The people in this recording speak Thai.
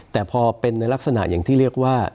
แต่พอเป็นในลักษณะอย่างที่เรียกว่า